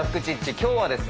今日はですね